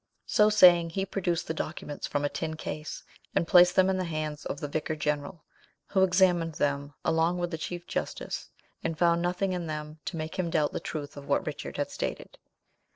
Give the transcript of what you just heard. So saying, he produced the documents from a tin case, and placed them in the hands of the vicar general, who examined them along with the chief justice, and found nothing in them to make him doubt the truth of what Richard had stated.